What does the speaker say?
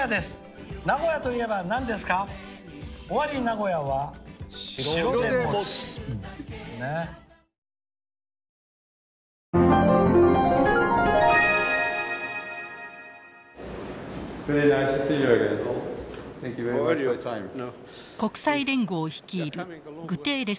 国際連合を率いるグテーレス事務総長。